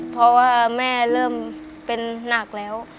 เพราะว่าแม่เริ่มเป็นหนักแล้ว